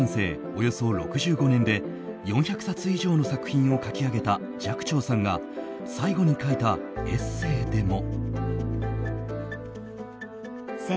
およそ６５年で４００冊以上の作品を書き上げた寂聴さんが最後に書いたエッセーでも。